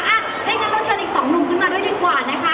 อ่ะถ้างั้นเราเชิญอีกสองหนุ่มขึ้นมาด้วยดีกว่านะคะ